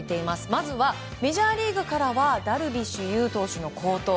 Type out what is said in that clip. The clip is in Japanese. まずはメジャーリーグからはダルビッシュ有投手の好投。